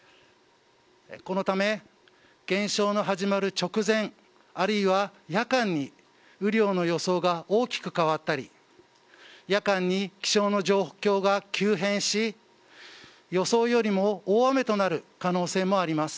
このため、現象の始まる直前、あるいは夜間に雨量の予想が大きく変わったり、夜間に気象の状況が急変し、予想よりも大雨となる可能性もあります。